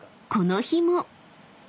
この日も］